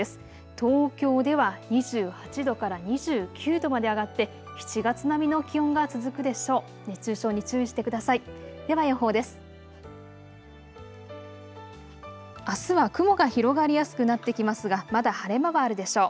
東京では２８度から２９度まで上がって、７月並みの気温が続くでしょう。